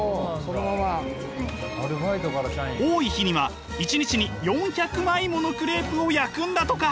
多い日には１日に４００枚ものクレープを焼くんだとか。